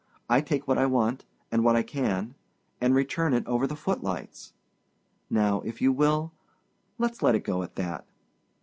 I take what I want, and what I can, and return it over the footlights. Now, if you will, let's let it go at that.